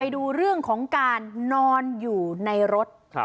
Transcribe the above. ดูเรื่องของการนอนอยู่ในรถ